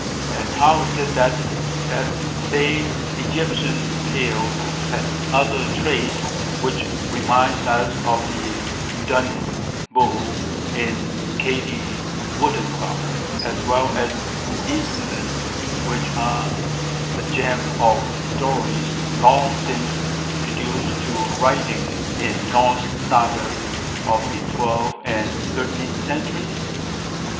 and how is it that that same Egyptian tale has other traits which reminds us of the Dun Bull in "Katie Woodencloak", as well as incidents which are the germ of stories long since reduced to writing in Norse Sagas of the twelfth and thirteenth centuries?